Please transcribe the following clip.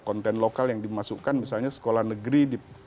konten lokal yang dimasukkan misalnya sekolah negeri